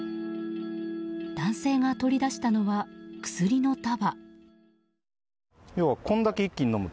男性が取り出したのは薬の束。